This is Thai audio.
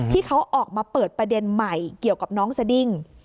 ที่เขาออกมาเปิดประเด็นใหม่เกี่ยวกับน้องสดิ้ง